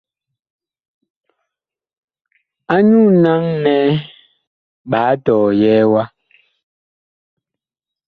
Anyuu naŋ nɛ ɓa tɔyɛɛ ma.